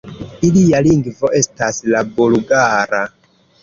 Ilia lingvo estas la bulgara.